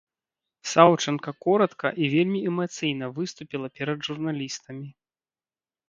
Саўчанка коратка і вельмі эмацыйна выступіла перад журналістамі.